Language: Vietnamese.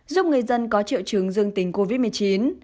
giúp người dân có triệu chứng dương tính covid một mươi chín